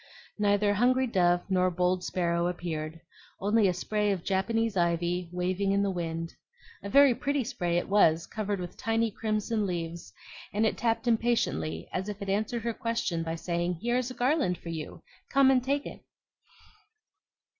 Neither hungry dove nor bold sparrow appeared, only a spray of Japanese ivy waving in the wind. A very pretty spray it was, covered with tiny crimson leaves; and it tapped impatiently, as if it answered her question by saying, "Here is a garland for you; come and take it."